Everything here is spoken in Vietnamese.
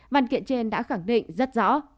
văn kiện trên đã khẳng định rất rõ